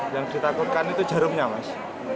yang ditakutkan itu jarumnya mas